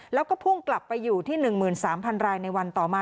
แล้วก็พุ่งกลับไปอยู่ที่๑๓๐๐รายในวันต่อมา